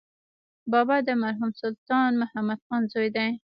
بابا د مرحوم سلطان محمد خان زوی دی.